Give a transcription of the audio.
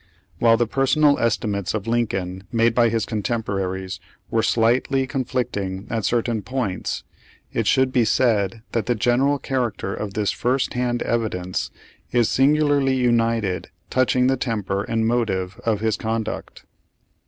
While the personal estim.ates of Lincoln made by his cotemporaries were slightly conflicting at certain points, it should be said that the general character of this first hand evidence is singularly united touching the temper and motive of his con duct.